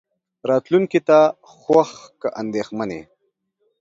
راتلونکې ته خوښ که اندېښمن يې.